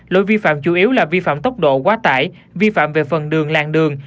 lỗi vi phạm chủ yếu là vi phạm tốc độ quá tải vi phạm về phần đường làng đường